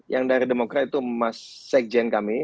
yang dari demokrat itu mas sekjen kami